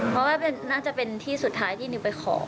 เพราะว่าน่าจะเป็นที่สุดท้ายที่นิวไปขอ